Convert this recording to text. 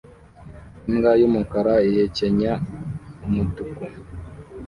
Imbwa yumukara ihekenya umutuku